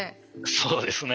そうですね。